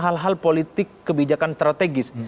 hal hal politik kebijakan strategis